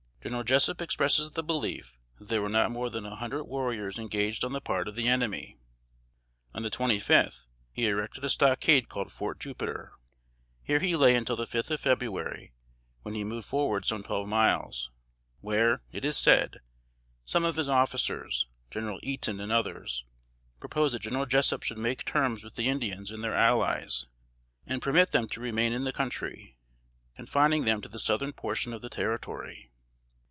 General Jessup expresses the belief that there were not more than a hundred warriors engaged on the part of the enemy. On the twenty fifth, he erected a stockade called "Fort Jupiter." Here he lay until the fifth of February, when he moved forward some twelve miles, where, it is said, some of his officers General Eaton and others proposed that General Jessup should make terms with the Indians and their allies, and permit them to remain in the country, confining them to the southern portion of the Territory.